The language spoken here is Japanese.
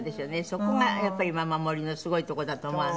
そこがやっぱりママモリのすごいとこだと思わない？